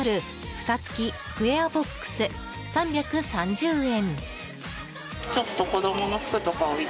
フタ付スクエアボックス３３０円。